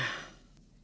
saya akan menanggungmu